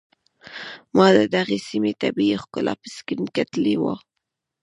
ما د دغې سيمې طبيعي ښکلا په سکرين کتلې وه.